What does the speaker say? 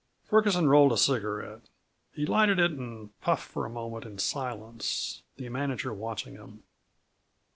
Ferguson rolled a cigarette. He lighted it and puffed for a moment in silence, the manager watching him.